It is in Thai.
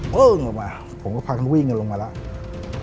ลงมาผมก็พากันวิ่งกันลงมาแล้ว